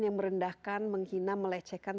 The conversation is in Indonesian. yang merendahkan menghina melecehkan